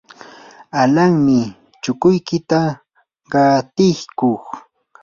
alanmi, chulluykita qatiykuy.